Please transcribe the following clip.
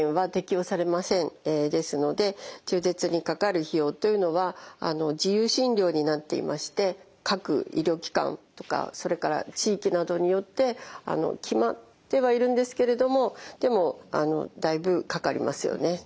ですので中絶にかかる費用というのは自由診療になっていまして各医療機関とかそれから地域などによって決まってはいるんですけれどもでもだいぶかかりますよね。